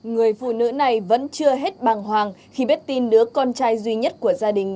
người phụ nữ này vẫn chưa hết bàng hoàng khi biết tin đứa con trai duy nhất của gia đình